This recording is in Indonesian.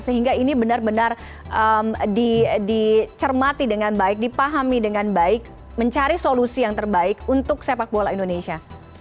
sehingga ini benar benar dicermati dengan baik dipahami dengan baik mencari solusi yang terbaik untuk sepak bola indonesia